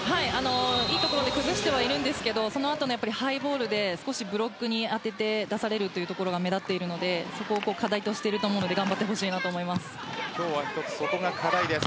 いいところに崩してはいるんですがその後のハイボールでブロックに当てて出されるというところが目立っているのでそこを課題としていると思うので今日は一つ、そこが課題です。